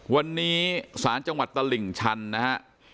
วันนี้ศาลจังหวัดตลิ่งชันนะฮะ